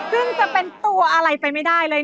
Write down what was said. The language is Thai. ซึ่งจะเป็นตัวอะไรไปไม่ได้เลย